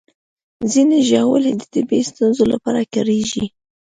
ځینې ژاولې د طبي ستونزو لپاره کارېږي.